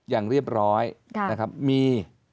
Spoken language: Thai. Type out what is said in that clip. อย่างเรียบร้อยนะครับมี